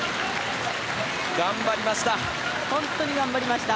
頑張りました。